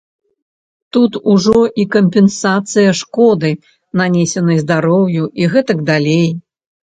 Тут ужо і кампенсацыя шкоды, нанесенай здароўю, і гэтак далей.